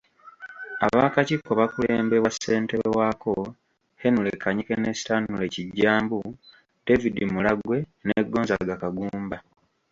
Ab’akakiiko bakulembebwa Ssentebe waako Henry Kanyike ne Stanely Kijjambu, David Mulagwe ne Gonzaga Kagumba.